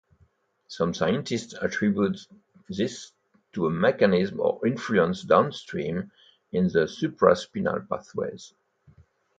Some scientists attribute this to a mechanism or influence downstream in the supraspinal pathways.